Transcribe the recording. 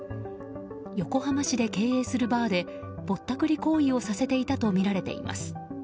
横浜市で経営するバーでぼったくり行為をさせていたとみられています。